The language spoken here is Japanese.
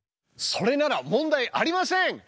それなら問題ありません。